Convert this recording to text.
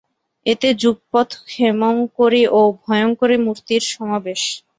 এতে যুগপৎ ক্ষেমঙ্করী ও ভয়ঙ্করী মূর্তির সমাবেশ।